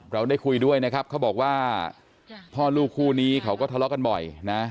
เราได้คุยด้วยนะครับเขาบอกว่าพ่อลูกคู่นี้เขาก็ทะเลาะกันบ่อยนะ